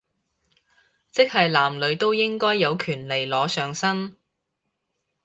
即係男女都應該有權利裸上身